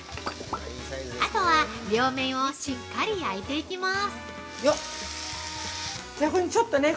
◆あとは両面をしっかり焼いていきまーす。